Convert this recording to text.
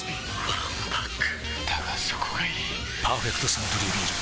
わんぱくだがそこがいい「パーフェクトサントリービール糖質ゼロ」